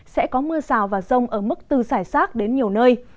sẽ có mưa rào và rông ở mức từ giải sát đến nhiều nơi